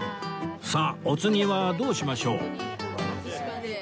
さあお次はどうしましょう？